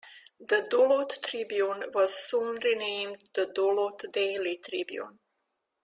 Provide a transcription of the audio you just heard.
The "Duluth Tribune" was soon renamed the "Duluth Daily Tribune".